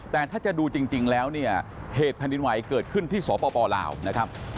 แต่ถ้าจะดูจริงแล้วเนี่ยเหตุแผ่นดินไหวเกิดขึ้นที่สปลาวนะครับ